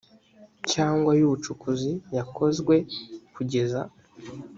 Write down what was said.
cyangwa y ubucukuzi yakozwe kugeza